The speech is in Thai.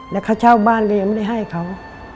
แล้วข้าวชาวบ้านอะไรไม่ได้ให้เขา